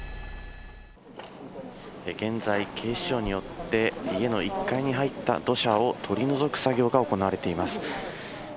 現在、警視庁によって家の１階に入った土砂を取り除く作業が行われています。